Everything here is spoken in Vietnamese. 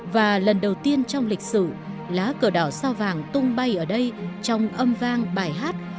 và lần đầu tiên trong lịch sử lá cờ đỏ sao vàng tung bay ở đây trong âm vang bài hát